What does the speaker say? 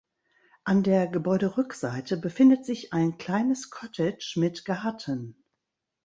An der Gebäuderückseite befindet sich ein kleines Cottage mit Garten.